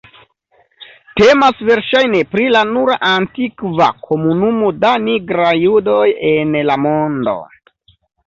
Temas verŝajne pri la nura antikva komunumo da nigraj judoj en la mondo.